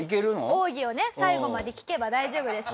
奥義をね最後まで聞けば大丈夫ですから。